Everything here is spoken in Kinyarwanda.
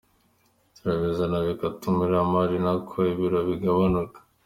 Turabizana bikatwumiramo ari nako ibiro bigabanuka.